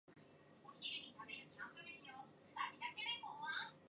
When it does not nest by itself, it will often nest in mixed-species colonies.